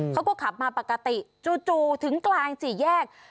เขาก็ขับมาปกติจู่ถึงกลางสี่แยก